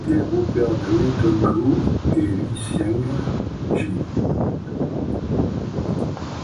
Il est le beau-père de Wellington Koo et Lee Seng Gee.